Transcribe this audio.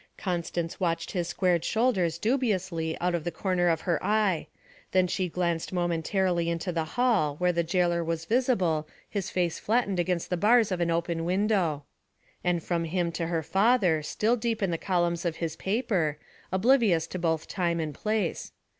Constance watched his squared shoulders dubiously out of the corner of her eye; then she glanced momentarily into the hall where the jailor was visible his face flattened against the bars of an open window; and from him to her father, still deep in the columns of his paper, oblivious to both time and place.